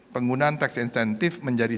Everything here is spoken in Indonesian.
penggunaan tax incentive menjadi